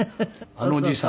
あのおじいさん